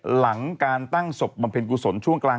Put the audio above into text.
หลังการตั้งศพบำเพ็ญกุศลช่วงกลาง